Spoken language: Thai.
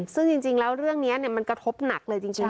ซึ่งจริงแล้วเรื่องนี้มันกระทบหนักเลยจริง